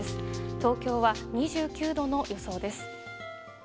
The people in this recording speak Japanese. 東京は２９度の予想です。